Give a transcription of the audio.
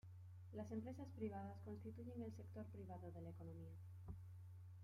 Las empresas privadas constituyen el sector privado de la economía.